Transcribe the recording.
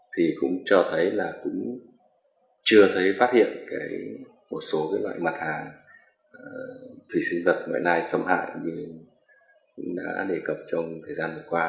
thì cũng cho thấy là cũng chưa thấy phát hiện một số loại mặt hàng thủy sinh vật ngoại lai xâm hại như cũng đã đề cập trong thời gian vừa qua